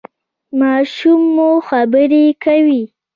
ماشوم مو خبرې کوي؟